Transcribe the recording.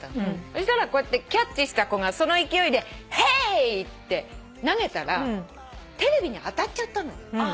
そしたらこうやってキャッチした子がその勢いで「ヘーイ」って投げたらテレビに当たっちゃったのね。